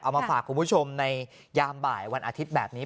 มาฝากคุณผู้ชมในยามบ่ายวันอาทิตย์แบบนี้